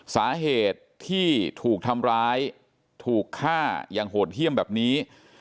สาเหตุที่ถูกทำร้ายถูกฆ่าอย่างโหดเยี่ยมแบบนี้